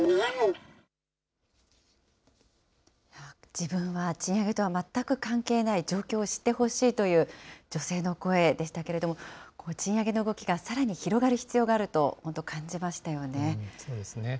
自分は賃上げとは全く関係ない状況を知ってほしいという女性の声でしたけれども、賃上げの動きがさらに広がる必要があると本そうですね。